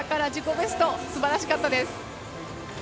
ベストすばらしかったです。